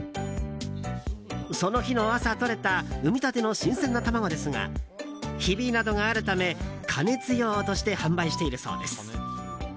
その日の朝とれた産みたての新鮮な卵ですがひびなどがあるため加熱用として販売しているそうです。